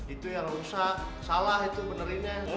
itu yang rusak salah itu benerinnya